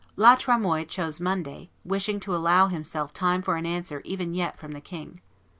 La Tremoille chose Monday, wishing to allow himself time for an answer even yet from the king.